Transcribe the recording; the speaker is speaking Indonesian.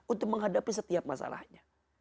untuk menghadapi setiap masalahnya